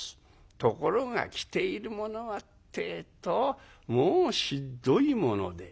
ところが着ているものはってえともうひっどいもので。